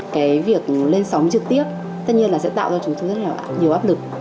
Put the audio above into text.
cái việc lên sóng trực tiếp tất nhiên là sẽ tạo ra chúng tôi rất là nhiều áp lực